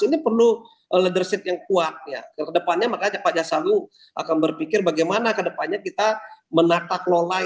ini perlu leadership yang kuat ya ke depannya makanya pak jasalu akan berpikir bagaimana ke depannya kita menata kelola